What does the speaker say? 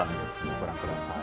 ご覧ください。